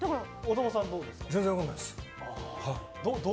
全然分からないです。